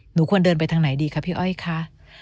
หนูควรเดินไปทางไหนดีคะพี่อ้อยคะ